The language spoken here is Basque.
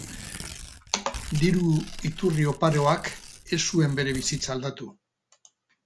Diru iturri oparoak ez zuen bere bizitza aldatu.